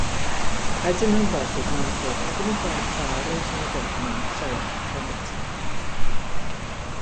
Aicinu atbalstīt manu priekšlikumu par pārejas noteikumiem šādā redakcijā.